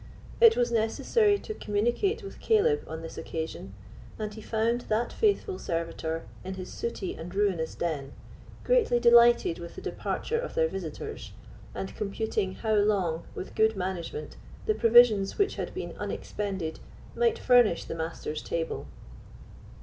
It was necessary to communicate with Caleb on this occasion, and he found that faithful servitor in his sooty and ruinous den, greatly delighted with the departure of their visitors, and computing how long, with good management, the provisions which had been unexpended might furnish the Master's table.